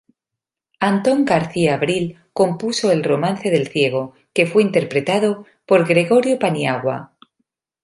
Antón García Abril compuso el "Romance del ciego" que fue interpretado por Gregorio Paniagua.